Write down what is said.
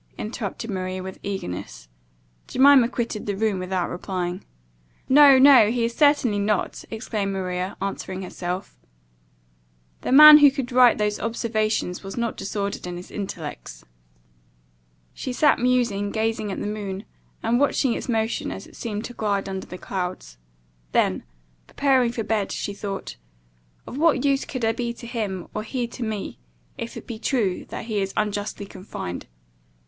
interrupted Maria with eagerness. Jemima quitted the room, without replying. "No, no, he certainly is not!" exclaimed Maria, answering herself; "the man who could write those observations was not disordered in his intellects." She sat musing, gazing at the moon, and watching its motion as it seemed to glide under the clouds. Then, preparing for bed, she thought, "Of what use could I be to him, or he to me, if it be true that he is unjustly confined?